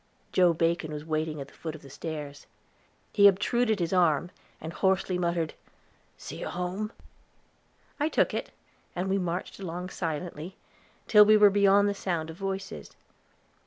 Joe Bacon was waiting at the foot of the stairs. He obtruded his arm, and hoarsely muttered, "See you home." I took it, and we marched along silently, till we were beyond the sound of voices.